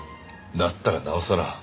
だったらなおさら。